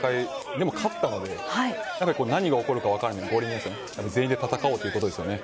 でも、勝ったので何が起こるか分からない全員で戦おうということですよね。